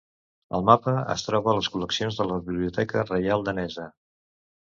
El mapa es troba a les col·leccions de la Biblioteca Reial Danesa.